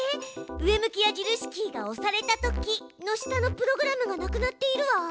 「上向き矢印キーが押されたとき」の下のプログラムがなくなっているわ。